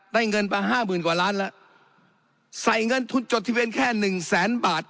เงินมาห้าหมื่นกว่าล้านแล้วใส่เงินทุนจดทะเบียนแค่หนึ่งแสนบาท